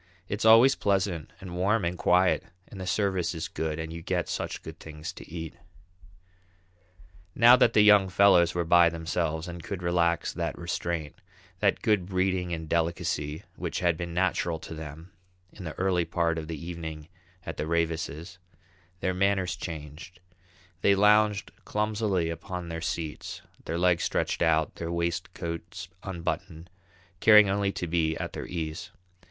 It's always pleasant and warm and quiet and the service is good and you get such good things to eat." Now that the young fellows were by themselves, and could relax that restraint, that good breeding and delicacy which had been natural to them in the early part of the evening at the Ravises', their manners changed: they lounged clumsily upon their seats, their legs stretched out, their waistcoats unbuttoned, caring only to be at their ease.